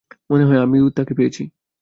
মনে হয় আমি তাকে পেয়েছি।